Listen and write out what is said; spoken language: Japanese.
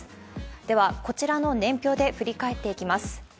では、こちらの年表で振り返っていきます。